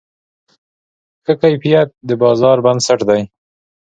ښه کیفیت د بازار بنسټ دی.